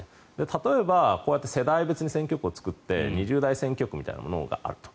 例えば、こうやって世代別に選挙区を作って２０代選挙区みたいなものがあると。